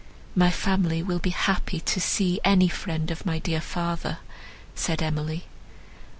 "My family will be happy to see any friend of my dear father," said Emily.